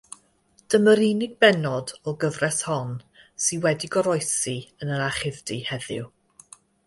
Dyma'r unig bennod o'r gyfres hon sydd wedi goroesi yn yr archifdy heddiw.